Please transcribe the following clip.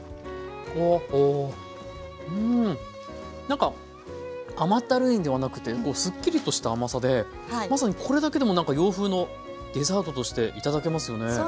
うんなんか甘ったるいんではなくてこうすっきりとした甘さでまさにこれだけでもなんか洋風のデザートとして頂けますよね。